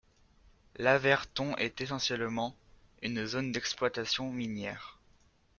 Laverton est essentiellement une zone d'exploitation minière.